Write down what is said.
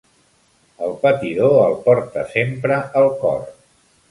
El patidor el porta sempre al cor.